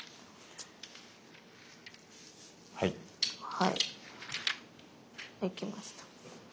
はいできました。